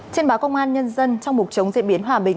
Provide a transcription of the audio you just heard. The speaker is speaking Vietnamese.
trên báo công an nhân dân trong mục chống diễn biến hòa bình